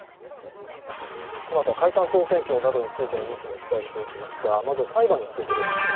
このあとは解散・総選挙などについてのニュースなどもお伝えしていきますが、まずは裁判についてです。